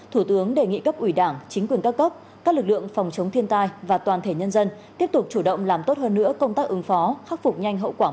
thủ tướng đề nghị cấp ủy đảng chính quyền các cấp các lực lượng phòng chống thiên tai và toàn thể nhân dân